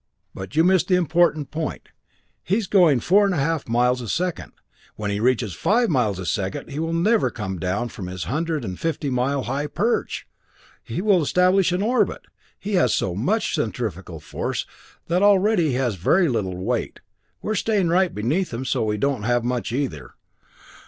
But you missed the important point. He is going 4.5 miles a second. When he reaches 5 miles a second he will never come down from his hundred and fifty mile high perch! He will establish an orbit! He has so much centrifugal force already that he has very little weight. We are staying right beneath him, so we don't have much either.